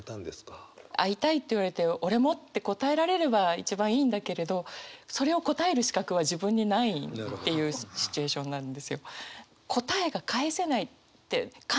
「いたい」って言われて「俺も」って答えられれば一番いいんだけれどそれを答える資格は自分にないっていうシチュエーションなんですよ。